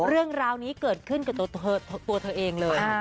เรื่องราวนี้เกิดขึ้นกับตัวเธอเองเลย